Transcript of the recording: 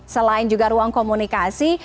selain juga ruang komunikasi